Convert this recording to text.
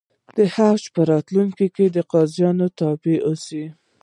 دوج په راتلونکي کې د قاضیانو تابع اوسي.